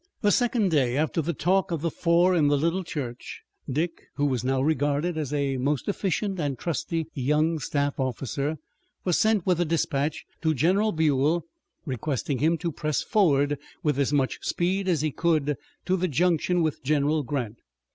The second day after the talk of the four in the little church Dick, who was now regarded as a most efficient and trusty young staff officer, was sent with a dispatch to General Buell requesting him to press forward with as much speed as he could to the junction with General Grant.